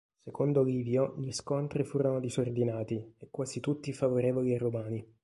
Secondo Livio gli scontri furono disordinati e quasi tutti favorevoli ai Romani.